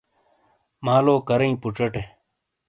مالو کرئیں پُوچاٹے۔